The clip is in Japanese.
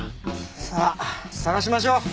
さあ捜しましょう！